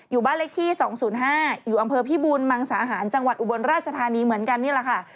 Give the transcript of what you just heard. อยู่บ้านเลขที่๒๐๕อพมมสศจอุบลราชธานีเหมือนกันนี่แหละค่ะ